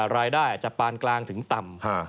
รายได้อาจจะปานกลางถึงต่ำ